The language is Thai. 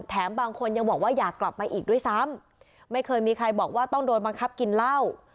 บางคนยังบอกว่าอยากกลับไปอีกด้วยซ้ำไม่เคยมีใครบอกว่าต้องโดนบังคับกินเหล้า